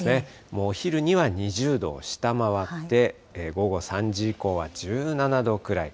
もうお昼には２０度を下回って、午後３時以降は１７度くらい。